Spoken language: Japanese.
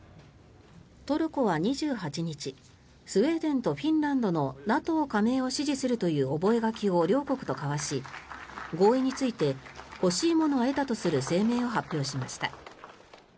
トルコは２８日スウェーデンとフィンランドのＮＡＴＯ加盟を支持するという覚書を両国と交わし合意について欲しいものは得たとする声明を発表しました。